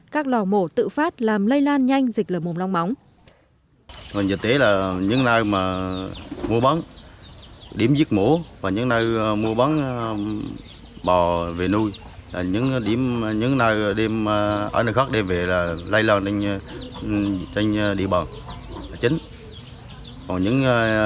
các lò mổ tự phát làm lây lan nhanh dịch lở mồm long móng